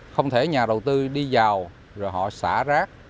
không thể nhà đầu tư đi vào rồi họ xả rác